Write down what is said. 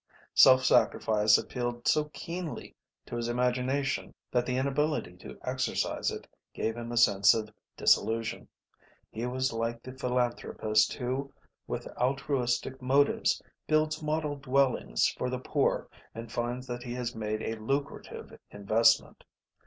Self sacrifice appealed so keenly to his imagination that the inability to exercise it gave him a sense of disillusion. He was like the philanthropist who with altruistic motives builds model dwellings for the poor and finds that he has made a lucrative investment.